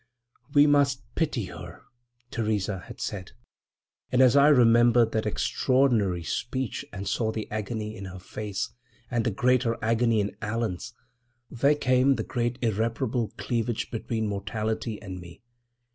"We must pity her," Theresa had said. And as I remembered that extraordinary speech, and saw the agony in her face, and the greater agony in Allan's, there came the great irreparable cleavage between mortality and me.